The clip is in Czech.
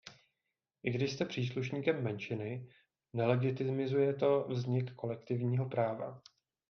I když jste příslušníkem menšiny, nelegitimizuje to vznik kolektivního práva.